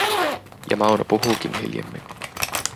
Ja Mauno puhuukin hiljemmin.